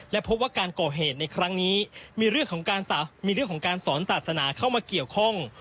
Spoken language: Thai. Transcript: และพบว่าการก่อเหตุในครั้งนี้มีเรื่องของการสอนศาสนาเข้ามาเกี่ยวข้อง